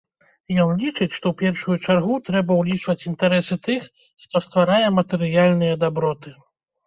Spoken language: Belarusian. Ён лічыць, што ў першую чаргу трэба ўлічваць інтарэсы тых, хто стварае матэрыяльныя даброты.